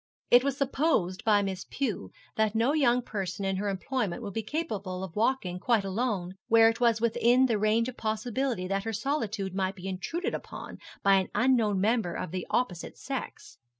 It was supposed by Miss Pew that no young person in her employment would be capable of walking quite alone, where it was within the range of possibility that her solitude might be intruded upon by an unknown member of the opposite sex.